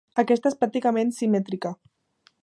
Aquesta és pràcticament simètrica.